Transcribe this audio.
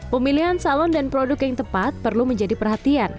pemilihan salon dan produk yang tepat perlu menjadi perhatian